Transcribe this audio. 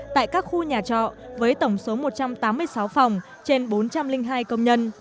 tại các khu nhà trọ với tổng số một trăm tám mươi sáu phòng trên bốn trăm linh hai công nhân